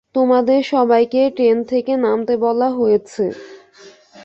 তোমাদের সবাইকে ট্রেন থেকে নামতে বলা হয়েছে।